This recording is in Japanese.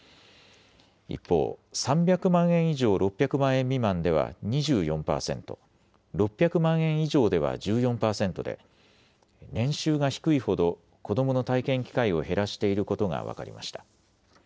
一方、３００万円以上６００万円未満では２４％、６００万円以上では１４％で年収が低いほど子どもの体験機会を減らしていることが分かりました。